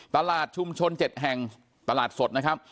ตลาดชุมชน๗แห่งตลาดสดนะครับ